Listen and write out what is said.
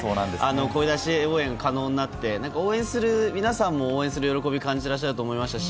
声出し応援可能になって応援する皆さんも応援する喜びを感じていると思いましたし